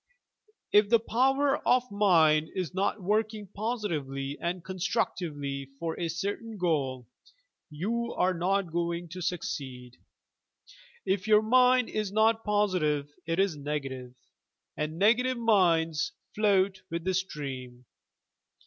If the power of mind is not working positively and constructively for a certain goal, you are not going to succeed. If your mind is not positive it is negative, and negative minds float with the stream.